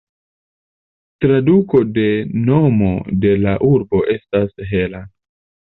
Traduko de nomo de la urbo estas "hela".